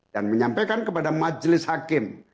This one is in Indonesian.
dan menyampaikan kepada majelis hakim